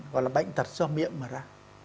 gọi là bệnh tật do miệng mà ra